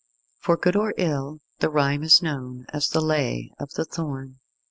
For good or ill the rhyme is known as the Lay of the Thorn.